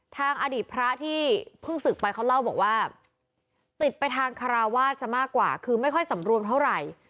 ทางอดีตพระที่เพิ่งศึกไปเขาเล่าบอกว่าติดไปทางคาราวาสซะมากกว่าคือไม่ค่อยสำรวมเท่าไหร่